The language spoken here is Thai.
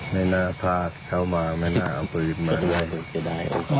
ไม่น่าพาเขามาไม่น่าเอาประวิธรมา